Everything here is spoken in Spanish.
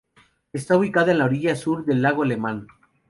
Está ubicada en la orilla sur del lago Lemán.